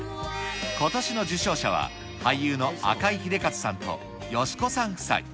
ことしの受賞者は俳優の赤井英和さんと佳子さん夫妻。